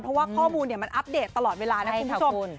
เพราะว่าข้อมูลมันอัปเดตตลอดเวลานะคุณผู้ชม